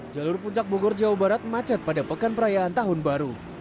jalur puncak bogor jawa barat macet pada pekan perayaan tahun baru